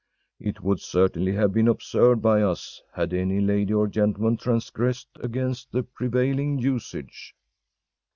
It would certainly have been observed by us had any lady or gentleman transgressed against the prevailing usage.